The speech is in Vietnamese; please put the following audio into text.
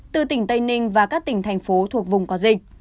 từ tỉnh tây ninh và các tỉnh thành phố thuộc vùng có dịch